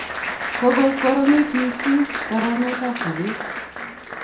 Kokokoromit mising garamet ab sobet